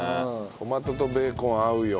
トマトとベーコン合うよ。